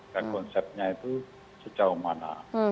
dan konsepnya itu sejauh mana